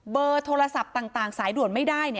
เบอร์โทรศัพท์ต่างสายด่วนไม่ได้